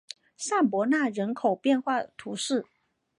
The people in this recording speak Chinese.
尚博纳人口变化图示